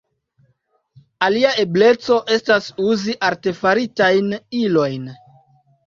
Alia ebleco estas uzi artefaritajn ilojn.